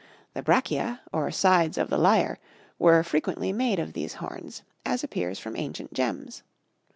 The brachia, or sides of the lyre, were frequently made of these horns, as appears from ancient gems.